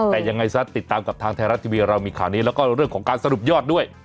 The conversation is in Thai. แต่ยังไงซะติดตามกับทางไทยรัฐทีวีเรามีข่าวนี้แล้วก็เรื่องของการสรุปยอดด้วย